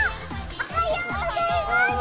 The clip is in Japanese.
おはようございます！